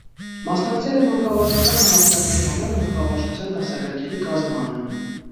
Մասնակցել է մանկավարժական համալսարանների համար մանկավարժության դասագրքերի կազմմանը։